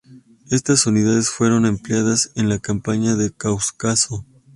Estas unidades fueron empleadas en la Campaña del Cáucaso.